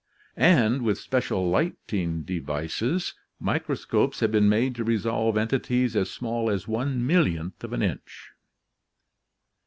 And, with special lighting devices, microscopes have been made to resolve entities as small as one millionth of an inch!